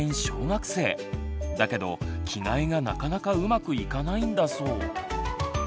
だけど着替えがなかなかうまくいかないんだそう。